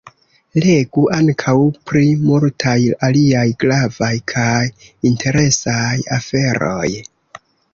Legu ankaŭ pri multaj aliaj gravaj kaj interesaj aferoj!